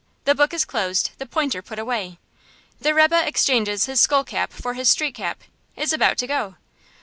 The book is closed, the pointer put away. The rebbe exchanges his skull cap for his street cap, is about to go.